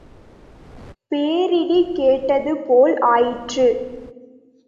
பேரிடி கேட்டதுபோல் ஆயிற்று.